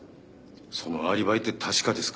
そのアリバイって確かですか？